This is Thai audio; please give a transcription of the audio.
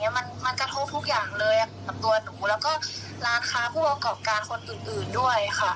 มันกระทบทุกอย่างเลยกับตัวหนูแล้วก็ร้านค้าผู้ประกอบการคนอื่นด้วยค่ะ